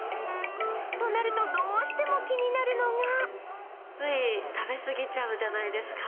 となると、どうしても気になるのつい、食べ過ぎちゃうじゃないですか。